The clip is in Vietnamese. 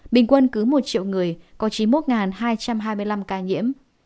bình quân cứ một triệu người có chín mươi một hai trăm hai mươi năm ca nhiễm